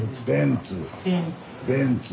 ベンツ。